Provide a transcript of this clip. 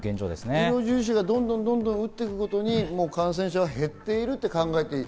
医療従事者がどんどん打っていくごとに感染者が減っていると考えていい。